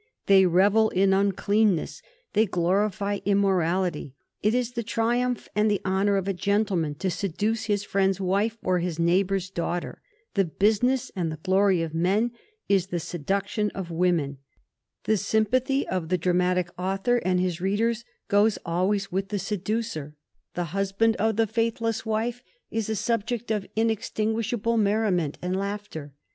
They revel in nncleanness; they glorify im morality. It is the triumph and the honor of a gentleman to seduce his friend's wife or his neighbor's daughter. The business and the glory of men is the seduction of wom en. The sympathy of the dramatic author and his read ers goes always with the seducer. The husband of the 94 A HISTORY OF THS FOUR GEORGES. CH.zzni. faithless wife is a subject of inextinguishable merriment and4aughter.